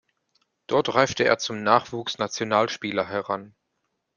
Dort reifte er zum Nachwuchsnationalspieler heran.